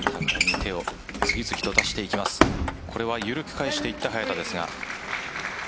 これは緩く返していった早田ですが。